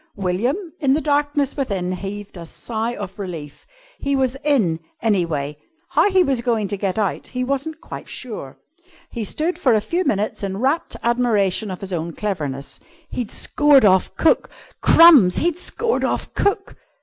William, in the darkness within, heaved a sigh of relief. He was in, anyway; how he was going to get out he wasn't quite sure. He stood for a few minutes in rapt admiration of his own cleverness. He'd scored off cook! Crumbs! He'd scored off cook!